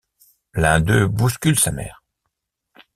L'un d'eux bouscule sa mère.